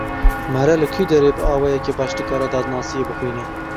Mere li ku derê bi awayekî baş dikare dadnasiyê bixwîne?